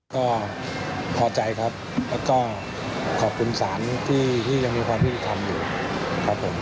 ก็พอใจครับแล้วก็ขอบคุณศาลที่ยังมีความยุติธรรมอยู่ครับผม